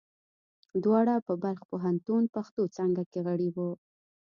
دواړه په بلخ پوهنتون پښتو څانګه کې غړي وو.